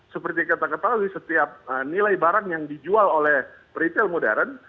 seperti kita ketahui setiap nilai barang yang dijual oleh retail modern